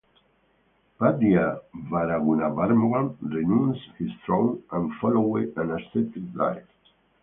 Pandya Varagunavarman renounced his throne and followed an ascetic life.